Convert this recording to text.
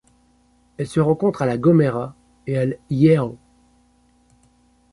Elle se rencontre à La Gomera et à El Hierro.